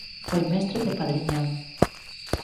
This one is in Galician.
Foi mestre de Padriñán.